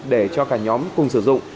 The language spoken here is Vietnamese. để cho cả nhóm cùng sử dụng